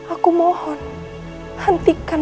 aku mohon hentikan berpikir